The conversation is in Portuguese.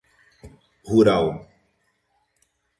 rural